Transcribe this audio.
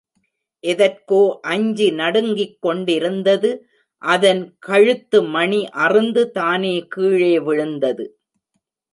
எதற்கோ அஞ்சி நடுங்கிக் கொண்டிருந்தது அதன் கழுத்து மணி அறுந்து தானே கீழே விழுந்தது.